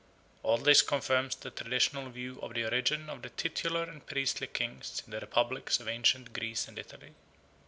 All this confirms the traditional view of the origin of the titular and priestly kings in the republics of ancient Greece and Italy.